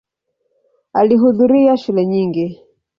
Alihudhuria shule nyingi.